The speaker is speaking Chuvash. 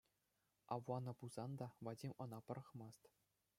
Авланнӑ пулсан та, Вадим ӑна пӑрахмасть.